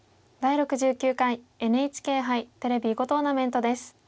「第６９回ＮＨＫ杯テレビ囲碁トーナメント」です。